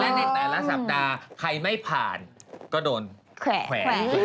และในแต่ละสัปดาห์ใครไม่ผ่านก็โดนแขวน